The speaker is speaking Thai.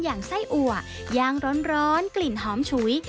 อย่างไส้อัวย่างร้อนกลิ่นหอมฉุย